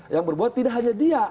yang berbuat tidak hanya dia